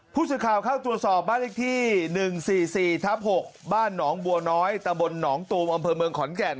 ผู้ชมมาสมบัตรที่๑๔๔๖บ้านหนองบัวน้อยตะบนหนองตุ๋มอ่อเมืองขอนแก่น